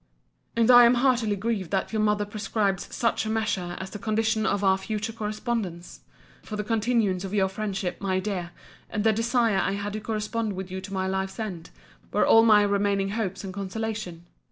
* And I am heartily grieved that your mother prescribes such a measure as the condition of our future correspondence: for the continuance of your friendship, my dear, and the desire I had to correspond with you to my life's end, were all my remaining hopes and consolation.